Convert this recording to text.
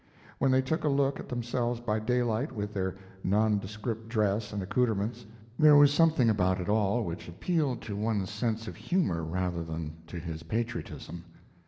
When they took a look at themselves by daylight, with their nondescript dress and accoutrements, there was some thing about it all which appealed to one's sense of humor rather than to his patriotism.